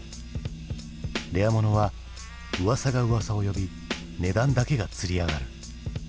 レアものはうわさがうわさを呼び値段だけがつり上がる。